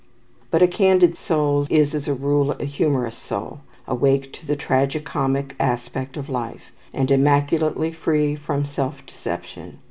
But a candid soul is, as a rule, a humorous soul, awake to the tragi comic aspect of life, and immaculately free from self deception.